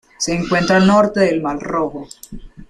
Se encuentra al norte del Mar Rojo.